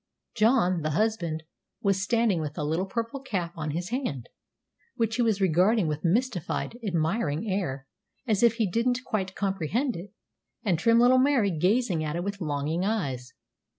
John, the husband, was standing with a little purple cap on his hand, which he was regarding with mystified, admiring air, as if he didn't quite comprehend it, and trim little Mary gazing at it with longing eyes.